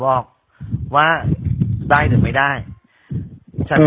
ขอบคุณทุกคน